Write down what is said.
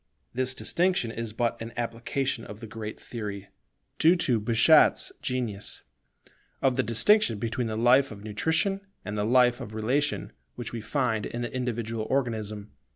This distinction is but an application of the great theory, due to Bichat's genius, of the distinction between the life of nutrition and the life of relation which we find in the individual organism.